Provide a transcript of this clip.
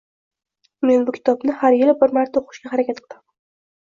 Men bu kitobni har yili bir marta o‘qishga harakat qilaman.